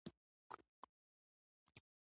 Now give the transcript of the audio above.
همغږي د ټولنې د فعالیتونو موثریت زیاتوي.